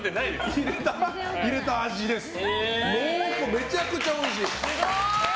めちゃくちゃおいしい。